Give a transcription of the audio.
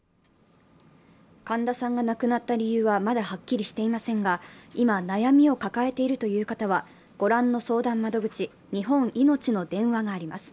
神田さんが亡くなった理由はまだはっきりしていませんが、今、悩みを抱えているという方は御覧の相談窓口、日本いのちの電話があります。